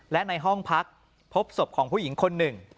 และในห้องพักพบศพของผู้หญิงคนหนึ่ง